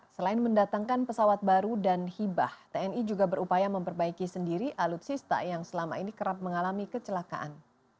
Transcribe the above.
selain mendatangkan pesawat baru dan hibah tni juga berupaya memperbaiki sendiri alutsista yang selama ini kerap mengalami kecelakaan